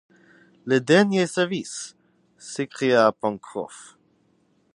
Le dernier service! s’écria Pencroff !